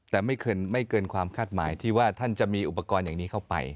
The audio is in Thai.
แต่ไม่เกินความคาดหมายที่ว่าท่านจะมีอุปกรณ์อย่างนี้เข้าไป